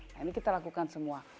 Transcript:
nah ini kita lakukan semua